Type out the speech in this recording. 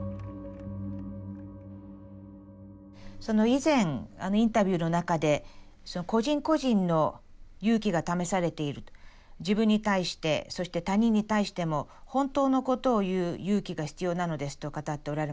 以前インタビューの中で個人個人の勇気が試されている自分に対してそして他人に対しても本当のことを言う勇気が必要なのですと語っておられました。